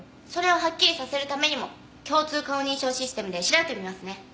それをはっきりさせるためにも共通顔認証システムで調べてみますね。